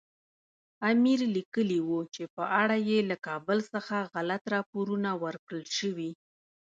امیر لیکلي وو چې په اړه یې له کابل څخه غلط راپورونه ورکړل شوي.